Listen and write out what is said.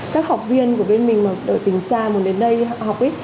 các học viên của bên mình mà ở tỉnh xa muốn đến đây học í